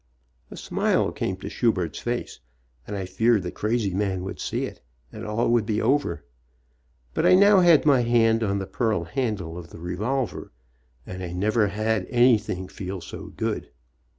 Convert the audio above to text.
A smile came to Schubert's face and I feared the crazy man would see it and all would be over, but I now had my hand on the pearl handle of the revolver, and I never had anything feel so good.